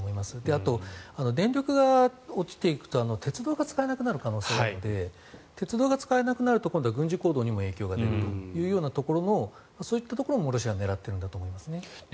あと、電力が落ちていくと鉄道が使えなくなる可能性があるので鉄道が使えなくなると今度は軍事行動にも影響が出るというようなそういったところも、ロシアは狙っているんだと思いますね。